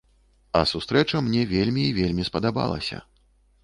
А сустрэча мне вельмі і вельмі спадабалася.